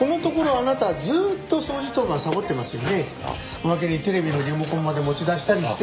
おまけにテレビのリモコンまで持ち出したりして。